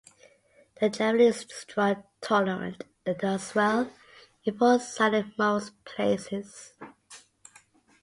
The Jabily is drought tolerant and does well in full sun in most places.